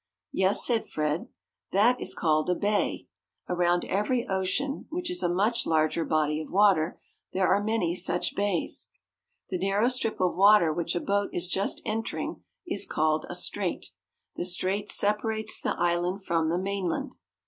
"Yes," said Fred. "That is called a bay. Around every ocean, which is a much larger body of water, there are many such bays. "The narrow strip of water, which a boat is just entering, is called a strait. The strait separates the island from the mainland."